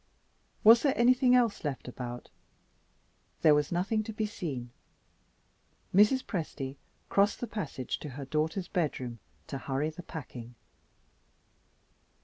Was there anything else left about? There was nothing to be seen. Mrs. Presty crossed the passage to her daughter's bedroom, to hurry the packing.